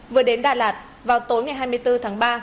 vừa đến đà lạt vào tối ngày hai mươi bốn tháng ba